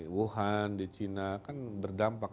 wuhan di china kan berdampak